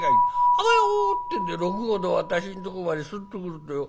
あばよ』ってんで六郷の渡しんとこまでスッと来るとよ